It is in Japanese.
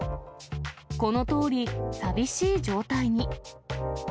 このとおり、寂しい状態に。